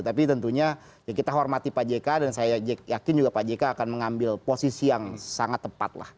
tapi tentunya ya kita hormati pak jk dan saya yakin juga pak jk akan mengambil posisi yang sangat tepat lah